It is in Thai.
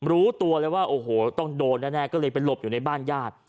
รู้ตัวเลยว่าโอ้โหต้องโดนแน่ก็เลยไปหลบอยู่ในบ้านญาติ